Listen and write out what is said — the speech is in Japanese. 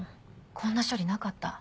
こんな処理なかった。